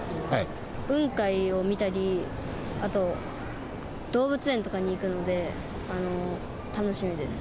雲海を見たり、あと動物園とかに行くので、楽しみです。